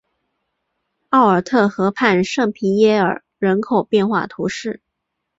奥尔特河畔圣皮耶尔人口变化图示